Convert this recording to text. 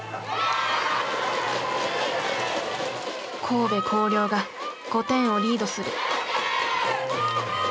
神戸弘陵が５点をリードする。